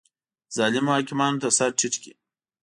ظالمو حاکمانو ته سر ټیټ کړي